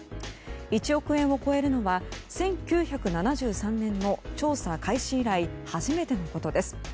１億円を超えるのは１９７３年の調査開始以来初めてのことです。